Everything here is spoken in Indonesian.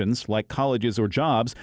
seperti sekolah atau kerjaya